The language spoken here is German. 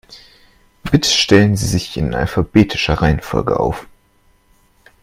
Bitte stellen Sie sich in alphabetischer Reihenfolge auf.